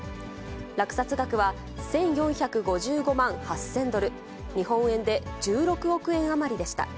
落札額は１４５５万８０００ドル、日本円で１６億円余りでした。